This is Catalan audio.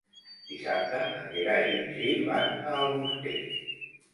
Dissabte en Gerai i en Gil van a Almoster.